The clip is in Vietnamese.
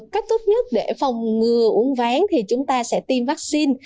cách tốt nhất để phòng ngừa uống ván thì chúng ta sẽ tiêm vaccine